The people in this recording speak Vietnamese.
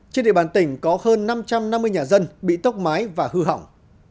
trên địa bàn tỉnh có hơn năm trăm năm mươi nhà dân bị tốc mái và hư hỏng